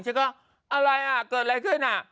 ฉันก็อะไรอ่ะเกิดอะไรขึ้นอ่ะ